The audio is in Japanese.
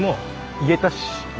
言えたし。